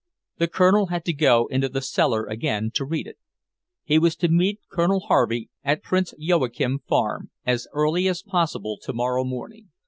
The Colonel had to go into the cellar again to read it. He was to meet Colonel Harvey at Prince Joachim farm, as early as possible tomorrow morning.